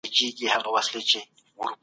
سالم ذهن ژوند نه ځنډوي.